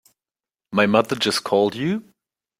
My mother just called you?